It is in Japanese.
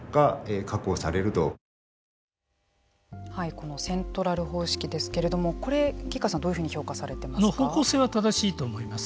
このセントラル方式ですけれどもこれ、橘川さんどういうふうに評価されています方向性は正しいと思います。